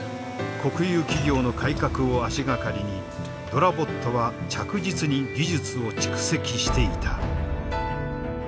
国有企業の改革を足掛かりにｄｏｒａｂｏｔは着実に技術を蓄積していた。